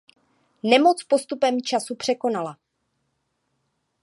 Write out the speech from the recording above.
Nemoc postupem času překonala.